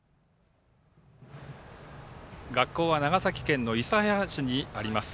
学校は長崎県の諫早市にあります。